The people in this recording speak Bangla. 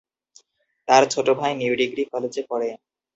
তার ছোট ভাই নিউ ডিগ্রি কলেজে পড়ে।